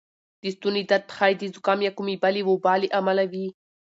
د ستونې درد ښایې د زکام یا کومې بلې وبا له امله وې